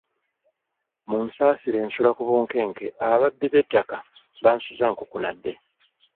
Munsasire nsula ku bunkenke ababbi b'ettaka bansuza nkukunadde.